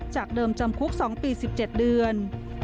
จากเดิมจำคุก๒ปี๑๗เดือน